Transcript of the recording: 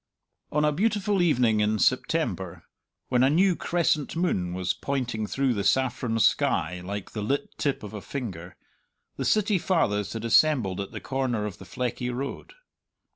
On a beautiful evening in September, when a new crescent moon was pointing through the saffron sky like the lit tip of a finger, the City Fathers had assembled at the corner of the Fleckie Road.